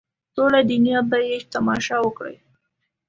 ټوله دنیا به یې تماشه وکړي.